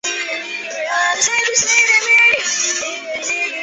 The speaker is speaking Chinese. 蛮多旅馆的